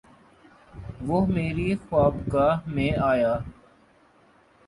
وہ میری خوابگاہ میں آیا